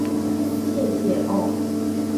谢谢哦